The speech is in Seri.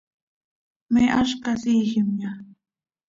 ¿Me áz casiijimya?